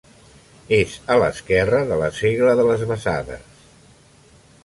És a l'esquerra de la Segla de les Bassades.